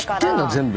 全部。